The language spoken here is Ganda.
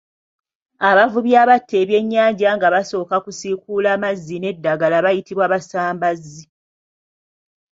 Abavubi abatta ebyennyanja nga basooka kusiikuula mazzi n’eddagala bayitibwa Abasambazzi.